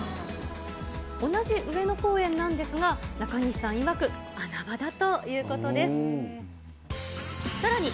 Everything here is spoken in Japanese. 同じ上野公園なんですが、中西さんいわく、穴場だということです。